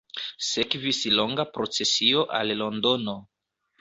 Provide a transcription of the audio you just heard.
Sekvis longa procesio al Londono.